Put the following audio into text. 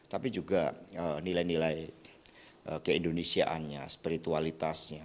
tapi juga nilai nilai keindonesiaannya spiritualitasnya